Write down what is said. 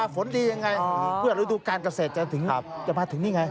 สงการเกษตรจะมาถึงนี่ไง